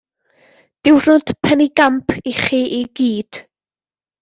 Diwrnod penigamp i chi i gyd.